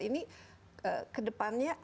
ini ke depannya apa yang